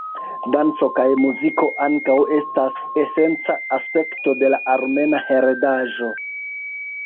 Danco kaj muziko ankaŭ estas esenca aspekto de la Armena Heredaĵo.